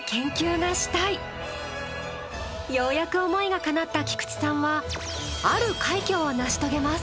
ようやく思いがかなった菊池さんはある快挙を成し遂げます。